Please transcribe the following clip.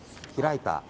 開いた。